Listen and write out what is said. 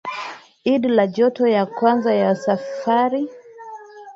id la joto ya kwanza ya safari